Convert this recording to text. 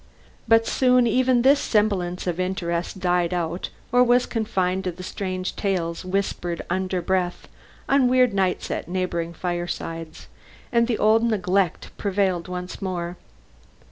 But soon even this semblance of interest died out or was confined to strange tales whispered under breath on weird nights at neighboring firesides, and the old neglect prevailed once more.